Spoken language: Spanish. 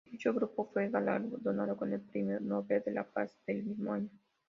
Dicho grupo fue galardonado con el Premio Nobel de la Paz el mismo año.